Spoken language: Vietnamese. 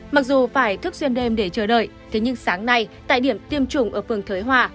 mặc dù phải thức xuyên đêm để chờ đợi thế nhưng sáng nay tại điểm tiêm chủng ở phường thới hòa